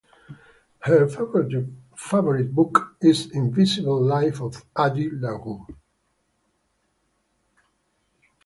Her favorite book is Invisible Life of Addie LaRue.